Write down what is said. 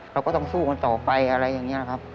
เราก็ต้องสู้กันต่อไปอะไรอย่างนี้ครับ